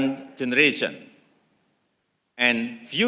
masa depan generasi generasi